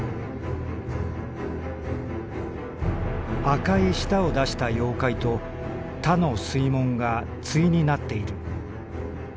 「赤い舌を出した妖怪と田の水門が対になっている。